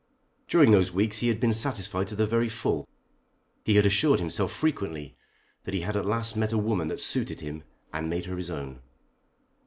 During those weeks he had been satisfied to the very full. He had assured himself frequently that he had at last met a woman that suited him and made her his own.